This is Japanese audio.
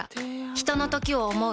ひとのときを、想う。